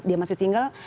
dia masih single